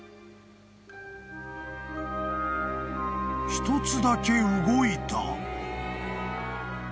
［一つだけ動いた］